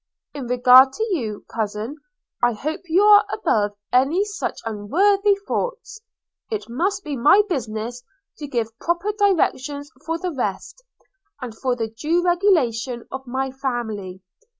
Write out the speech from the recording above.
In regard to you, cousin, I hope you are above any such unworthy thoughts. It must be my business to give proper directions for the rest, and for the due regulation of my family.